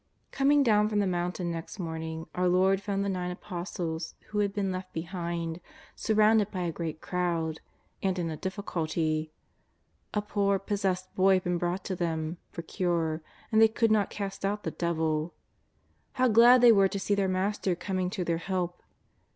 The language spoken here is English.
Coming down from the mountain next morning our Lord found the nine Apostles who had been left be hind, surrounded by a great crowd, and in a difficulty. A poor, possessed boy had been brought to them for cure, and they could not cast out the devil. How glad they were to see their Master coming to their help.